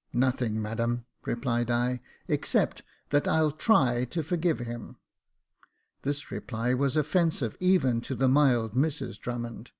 " Nothing, madam," replied I, " Except that I'll try to forgive him." This reply was offensive even to the mild Mrs Drummond.